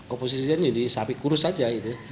oposisinya jadi sapi kurus saja